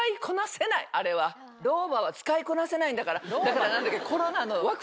あれは老婆は使いこなせないんだから。